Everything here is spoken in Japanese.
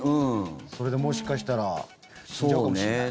それで、もしかしたら死んじゃうかもしれない。